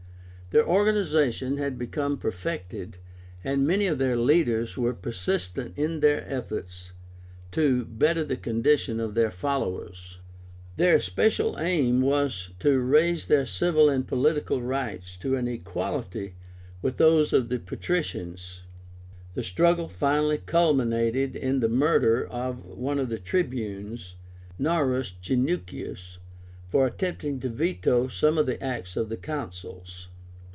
Their organization had become perfected, and many of their leaders were persistent in their efforts to better the condition of their followers. Their especial aim was to raise their civil and political rights to an equality with those of the patricians. The struggle finally culminated in the murder of one of the Tribunes, Gnarus Genucius, for attempting to veto some of the acts of the Consuls.